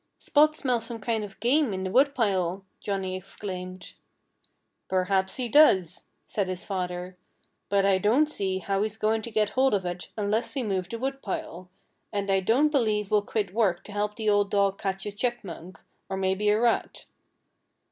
"Spot smells some kind of game in the woodpile!" Johnnie exclaimed. "Perhaps he does," said his father. "But I don't see how he's going to get hold of it unless we move the woodpile. And I don't believe we'll quit work to help the old dog catch a chipmunk or maybe a rat."